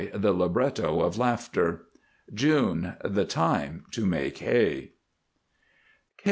The Libretto of Laughter. JUNE. The time to make hay.